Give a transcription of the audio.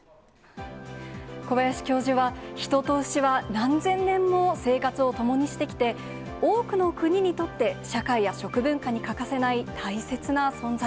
小林教授は、人と牛は何千年も生活を共にしてきて、多くの国にとって、社会や食文化に欠かせない大切な存在。